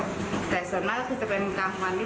แต่ส่วนมากก็คือจะเป็นกลางวันที่